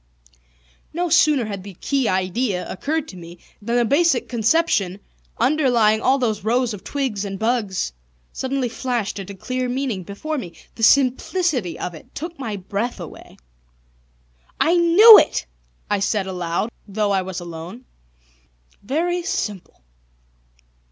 No sooner had the key idea occurred to me than the basic conception underlying all these rows of twigs and bugs suddenly flashed into clear meaning before me. The simplicity of it took my breath away. "I knew it!" I said aloud, though I was alone. "Very simple."